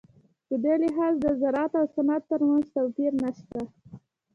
په دې لحاظ د زراعت او صنعت ترمنځ توپیر نشته.